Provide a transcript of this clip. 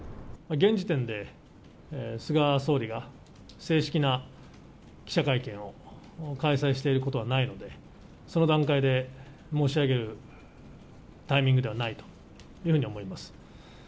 現時点で、菅総理が正式な記者会見を開催していることはないので、その段階で申し上げるタイミングではないというふうに思います。